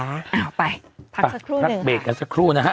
อ้าวไปพักเบรกกันสักครู่นะฮะ